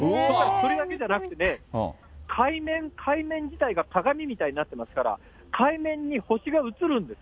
それだけじゃなくてね、海面自体が鏡みたいになってますから、海面に星が映るんです。